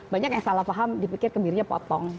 banyak yang salah faham dipikir kebirnya potong